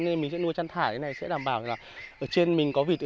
nên mình sẽ nuôi chăn thả như thế này sẽ đảm bảo là ở trên mình có vịt